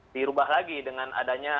dirubah lagi dengan adanya